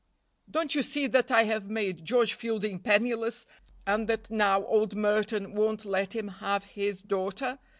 "Don't you see that I have made George Fielding penniless, and that now old Merton won't let him have his daughter?